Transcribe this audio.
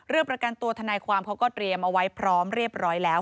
ประกันตัวทนายความเขาก็เตรียมเอาไว้พร้อมเรียบร้อยแล้ว